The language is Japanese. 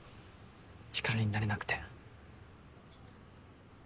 力になれなくて。